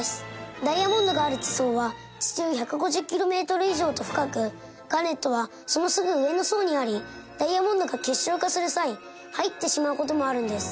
ダイヤモンドがある地層は地中１５０キロメートル以上と深くガーネットはそのすぐ上の層にありダイヤモンドが結晶化する際入ってしまう事もあるんです。